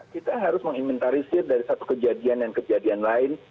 kita harus mengimentarisir dari satu kejadian dan kejadian lain